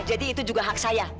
jadi itu juga hak saya